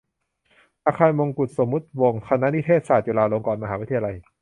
อาคารมงกุฏสมมติวงศ์ คณะนิเทศศาสตร์ จุฬาลงกรณ์มหาวิทยาลัย